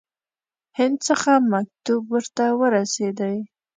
هند څخه مکتوب ورته ورسېدی.